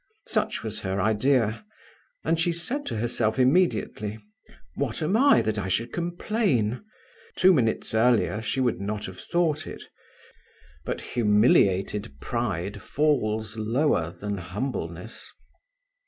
Such was her idea; and she said to herself immediately: What am I that I should complain? Two minutes earlier she would not have thought it; but humiliated pride falls lower than humbleness.